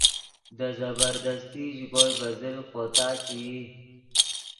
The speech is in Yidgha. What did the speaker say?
دے زبردستی ژے کوئے ڤے زل خوتا چے ای